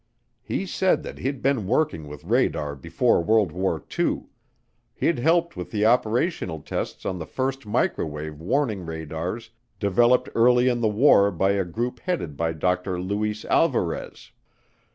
He said that he'd been working with radar before World War II; he'd helped with the operational tests on the first microwave warning radars developed early in the war by a group headed by Dr. Luis Alvarez.